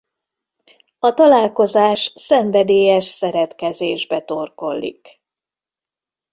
A találkozás szenvedélyes szeretkezésbe torkollik.